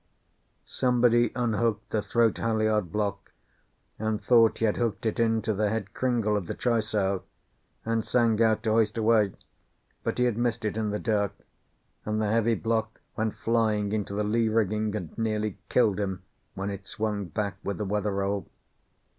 Somebody unhooked the throat halliard block, and thought he had hooked it into the head cringle of the trysail, and sang out to hoist away, but he had missed it in the dark, and the heavy block went flying into the lee rigging, and nearly killed him when it swung back with the weather roll.